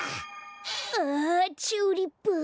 あチューリップ。